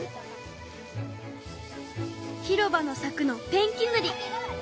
広場のさくのペンキぬり。